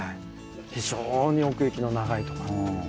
非常に奥行きの長い所。